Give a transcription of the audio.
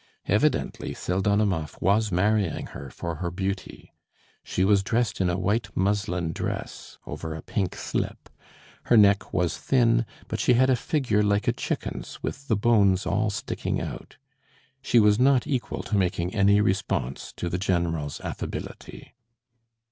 Evidently Pseldonimov was marrying her for her beauty. She was dressed in a white muslin dress over a pink slip. Her neck was thin, and she had a figure like a chicken's with the bones all sticking out. She was not equal to making any response to the general's affability.